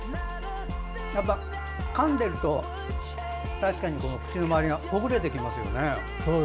かんでいると、確かに口の周りがほぐれてきますよね。